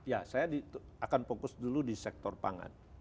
ya saya akan fokus dulu di sektor pangan